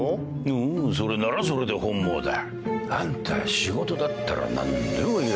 おうそれならそれで本望だ。あんた仕事だったら何でもいいらしいな。